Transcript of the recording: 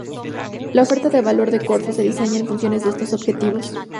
La oferta de valor de Corfo se diseña en función de esos objetivos.